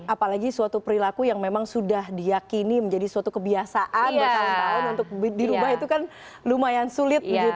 apalagi suatu perilaku yang memang sudah diyakini menjadi suatu kebiasaan bertahun tahun untuk dirubah itu kan lumayan sulit